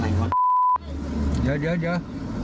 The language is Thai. ไปถ่ายรูปไว้